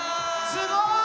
すごい！